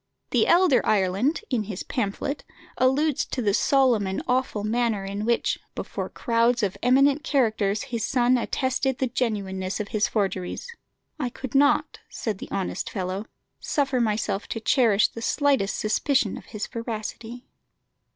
The elder Ireland, in his pamphlet, alludes to the solemn and awful manner in which, before crowds of eminent characters, his son attested the genuineness of his forgeries. "I could not," says the honest fellow, "suffer myself to cherish the slightest suspicion of his veracity."